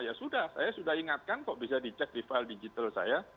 ya sudah saya sudah ingatkan kok bisa dicek di file digital saya